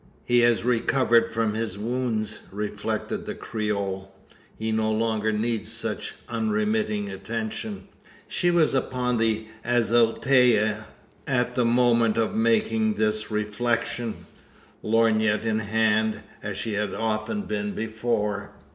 "He has recovered from his wounds?" reflected the Creole. "He no longer needs such unremitting attention." She was upon the azotea at the moment of making this reflection lorgnette in hand, as she had often been before.